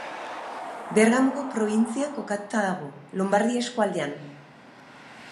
Bergamoko probintzian kokatuta dago, Lombardia eskualdean.